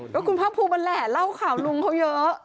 ก็คุณภาคภูมิมันแหละเล่าข่าวลุงเขาเยอะ